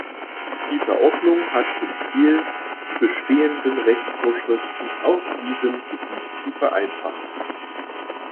Die Verordnung hat zum Ziel, die bestehenden Rechtsvorschriften auf diesem Gebiet zu vereinfachen.